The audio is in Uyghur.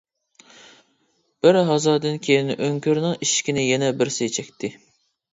بىر ھازادىن كېيىن ئۆڭكۈرنىڭ ئىشىكىنى يەنە بىرسى چەكتى.